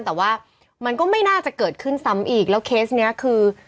แต่ว่ามันก็ไม่น่าจะเกิดขึ้นซ้ำอีกแล้วเคสเนี้ยคือ